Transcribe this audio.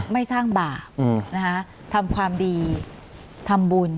ไม่สร้างบาปทำความดีทำบุญ